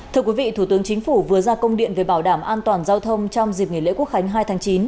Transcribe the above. thưa quý vị thủ tướng chính phủ vừa ra công điện về bảo đảm an toàn giao thông trong dịp nghỉ lễ quốc khánh hai tháng chín